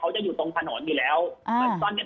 เขาจะอยู่ตรงถนนอยู่แล้วอ่า